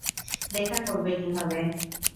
দেখা করবে কীভাবে?